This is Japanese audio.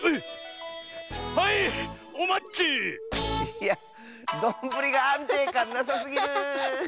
いやどんぶりがあんていかんなさすぎる！